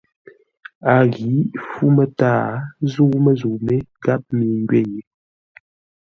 A ghǐ fú mətǎa zə́u məzə̂u mé gháp mi ngwě yé.